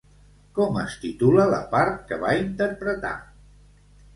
Com es titula la part que va interpretar?